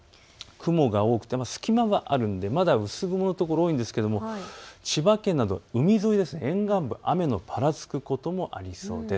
雲が多くて隙間があるのでまだ薄雲のところが多いですが千葉県など海沿い、沿岸部は雨のぱらつくところもありそうです。